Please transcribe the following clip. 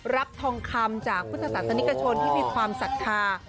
รับทองคำจากพุทธศาสนิกชนที่มีความศรัทธา